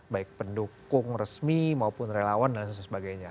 baik pendukung resmi maupun relawan dan sebagainya